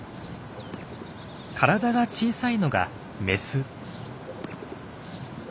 体が小さいのがメス。